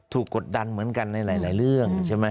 กดดันเหมือนกันในหลายเรื่องใช่ไหม